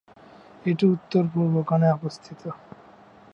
এটি উত্তর পূর্ব কোণে অবস্থিত।